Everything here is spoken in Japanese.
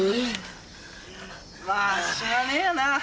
まあしょうがねえよな。